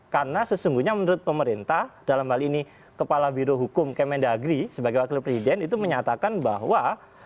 karena sesungguhnya menurut pemerintah dalam hal ini kepala biro hukum kemendagri sebagai wakil presiden itu menyatakan bahwa